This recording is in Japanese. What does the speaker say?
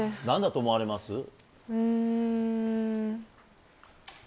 なんだと思われます？